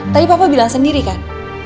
tapi papa bilang sendiri kan